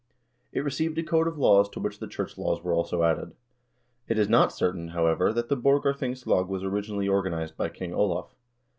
It received a code of laws to which the church laws were also added.2 It is not certain, however, that the Borgarthingslag was originally organized by King Olav.